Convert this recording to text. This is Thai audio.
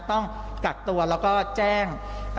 ต้องกักตัวแล้วก็แจ้ง